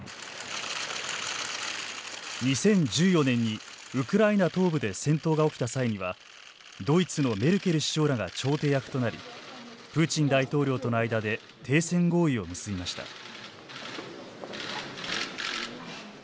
２０１４年にウクライナ東部で戦闘が起きた際にはドイツのメルケル首相らが調停役となりプーチン大統領との間で停戦合意を結びました。